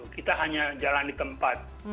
kita hanya jalan di tempat